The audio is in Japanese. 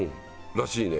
らしいね。